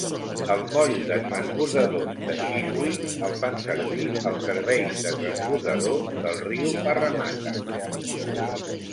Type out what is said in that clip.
El moll de transbordadors de Chiswick el fan servir els serveis de transbordador del riu Parramatta.